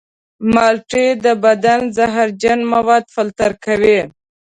مالټې د بدن زهرجن مواد فلتر کوي.